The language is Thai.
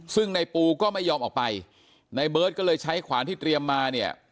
ซึ่งในปูก็ไม่ยอมออกไปในเบิร์ตก็เลยใช้ขวานที่เตรียมมาเนี่ย